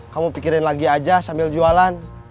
kamu pikirin lagi aja sambil jualan